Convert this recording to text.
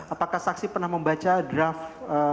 apakah saksi pernah membaca draft